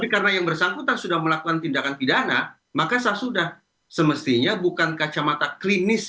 kalau kita melakukan tindakan pidana maka sudah semestinya bukan kacamata klinis